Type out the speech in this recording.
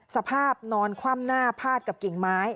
สภาพนอนคว่ำหน้าพาดกับกิ่งไม้